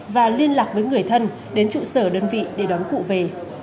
và liên lạc với người thân đến trụ sở đơn vị để đón cụ về